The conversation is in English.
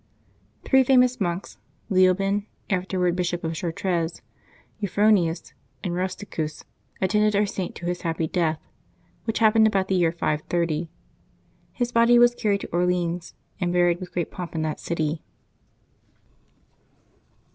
Three famous monks, Leobin, after wards Bishop of Chartres, Euphronius, and Eusticus, attended our Saint to his happy death, which happened about the year 530. His body was carried to Orleans, and buried with great pomp in that city.